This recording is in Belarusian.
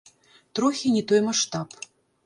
Трохі не той маштаб.